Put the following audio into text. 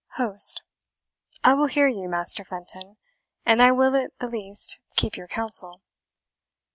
HOST. I will hear you, Master Fenton; and I will, at the least, keep your counsel.